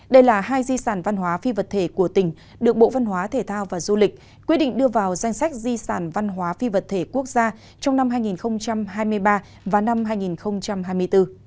đây là hai di sản văn hóa phi vật thể của tỉnh được bộ văn hóa thể thao và du lịch quyết định đưa vào danh sách di sản văn hóa phi vật thể quốc gia trong năm hai nghìn hai mươi ba và năm hai nghìn hai mươi bốn